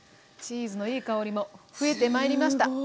チーズのいい香りも増えてまいりました。